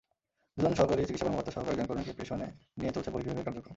দুজন সহকারী চিকিৎসা কর্মকর্তাসহ কয়েকজন কর্মীকে প্রেষণে নিয়ে চলছে বহির্বিভাগের কার্যক্রম।